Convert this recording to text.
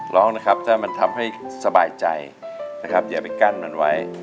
ร้องนะครับถ้ามันทำให้สบายใจนะครับอย่าไปกั้นมันไว้